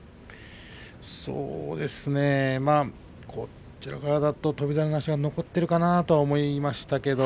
そうですねこちら側からだと翔猿の足が残っているかなと思いましたけれども。